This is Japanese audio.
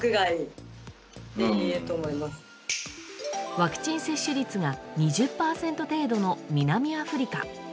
ワクチン接種率が２０％程度の南アフリカ。